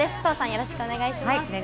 よろしくお願いします。